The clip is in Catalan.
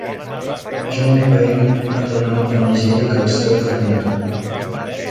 John Wayne va donar el panegíric al seu funeral.